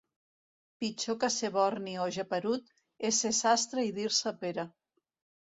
Pitjor que ser borni o geperut, és ser sastre i dir-se Pere.